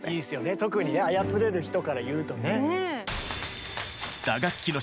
特にね操れる人から言うとね。